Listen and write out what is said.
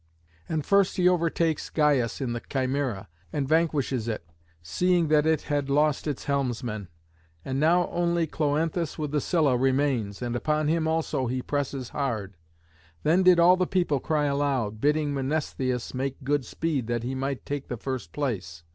And first he overtakes Gyas in the Chimæra, and vanquishes it, seeing that it had lost its helmsman. And now only Cloanthus with the Scylla remains, and upon him also he presses hard. Then did all the people cry aloud, bidding Mnestheus make good speed that he might take the first place.